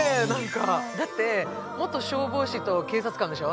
だって元消防士と警察官でしょ。